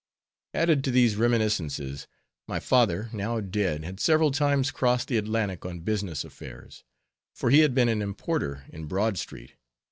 Added to these reminiscences my father, now dead, had several times crossed the Atlantic on business affairs, for he had been an importer in Broad street.